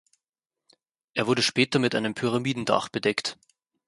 Er wurde später mit einem Pyramidendach bedeckt.